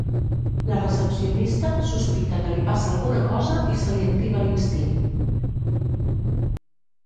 La recepcionista sospita que li passa alguna cosa i se li activa l'instint.